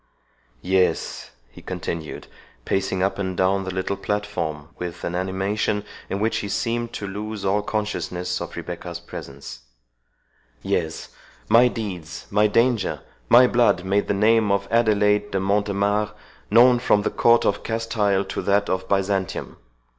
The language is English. —Yes," he continued, pacing up and down the little platform, with an animation in which he seemed to lose all consciousness of Rebecca's presence—"Yes, my deeds, my danger, my blood, made the name of Adelaide de Montemare known from the court of Castile to that of Byzantium.